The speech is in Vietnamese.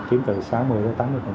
chiếm từ sáu mươi tám mươi